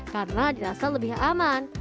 karena dirasa lebih aman